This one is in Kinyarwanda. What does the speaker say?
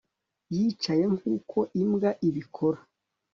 yicaye nkuko imbwa ibikora